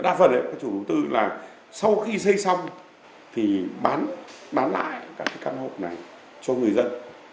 đa phần chủ đầu tư là sau khi xây xong thì bán lại các căn hộp này cho người dân